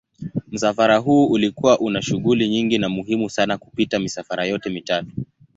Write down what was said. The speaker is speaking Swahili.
Msafara huu ulikuwa una shughuli nyingi na muhimu sana kupita misafara yote mitatu.